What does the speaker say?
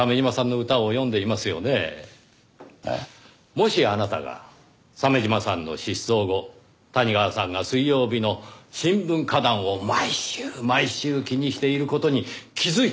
もしあなたが鮫島さんの失踪後谷川さんが水曜日の新聞歌壇を毎週毎週気にしている事に気づいたとしたら。